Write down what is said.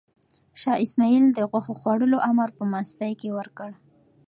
شاه اسماعیل د غوښو خوړلو امر په مستۍ کې ورکړ.